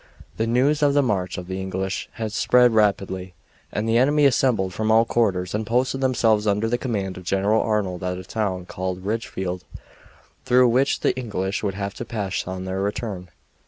The news of the march of the English had spread rapidly, and the enemy assembled from all quarters and posted themselves under the command of General Arnold at a town called Ridgefield, through which the English would have to pass on their return.